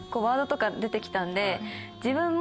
自分も。